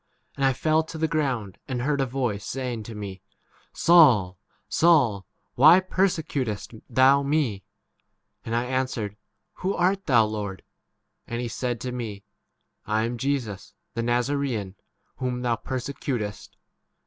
And I fell to the ground, and heard a voice saying to me, Saul, Saul, why 8 persecutest thou me ? And I answered, Who art thou, Lord? And he said to me, I am Jesus the Nazaraean, whom thou perse s. • T.